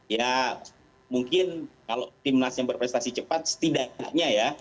ya mungkin kalau tim nasional berprestasi cepat setidaknya ya